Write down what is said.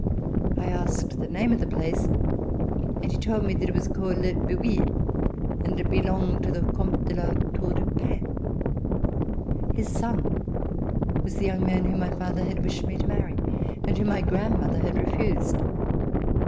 I asked the name of the place, and he told me it was called Le Boullh, and that it belonged to the Comte de La Tour du Pin. His son was the young man whom my father had wished me to marry and whom my grandmother had refused.